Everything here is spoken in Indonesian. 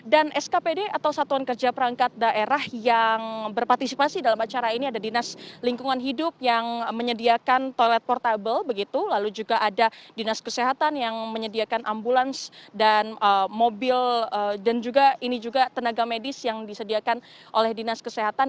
dan skpd atau satuan kerja perangkat daerah yang berpartisipasi dalam acara ini ada dinas lingkungan hidup yang menyediakan toilet portable begitu lalu juga ada dinas kesehatan yang menyediakan ambulans dan mobil dan juga ini juga tenaga medis yang disediakan oleh dinas kesehatan